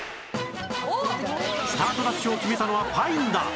スタートダッシュを決めたのはパインだ！